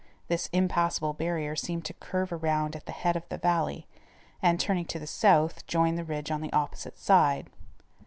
This impassable barrier seemed to curve around at the head of the valley, and, turning to the south, join the ridge on the opposite side.